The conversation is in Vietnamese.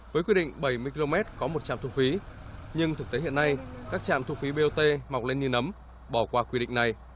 với quy định bảy mươi km có một trạm thu phí nhưng thực tế hiện nay các trạm thu phí bot mọc lên như nấm bỏ qua quy định này